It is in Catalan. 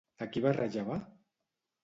A qui va rellevar?